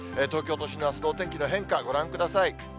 東京都心のあすのお天気の変化、ご覧ください。